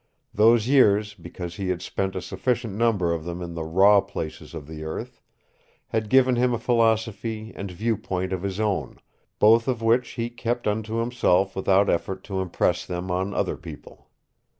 Those years, because he had spent a sufficient number of them in the raw places of the earth, had given him a philosophy and viewpoint of his own, both of which he kept unto himself without effort to impress them on other people.